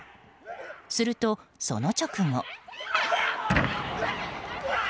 するとその直後。